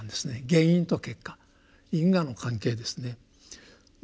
原因と結果因果の関係ですね。